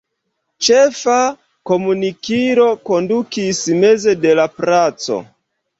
Ĉefa komunikilo kondukis meze de la placo.